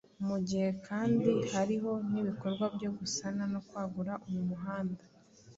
Ni mu gihe kandi hariho n’ibikorwa byo gusana no kwagura uyu muhanda